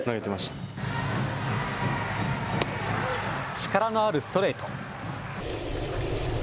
力のあるストレート。